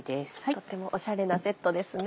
とてもおしゃれなセットですね。